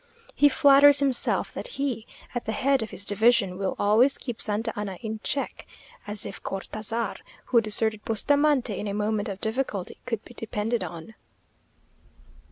He flatters himself that he, at the head of his division, will always keep Santa Anna in check; as if Cortazar, who deserted Bustamante in a moment of difficulty, could be depended on!...